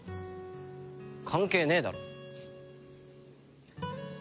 関係ねえだろ。